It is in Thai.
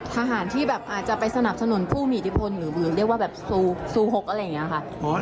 ทหารที่แบบอาจจะไปสนับสนุนผู้มีอิทธิพลหรือเรียกว่าแบบซูหกอะไรอย่างนี้ค่ะ